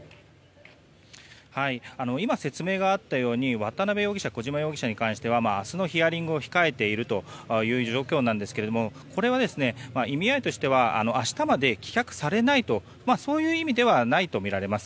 今、説明があったように渡邉容疑者小島容疑者に関しては明日のヒアリングを控えているという状況なんですがこれは意味合いとしては明日まで棄却されないとそういう意味ではないとみられます。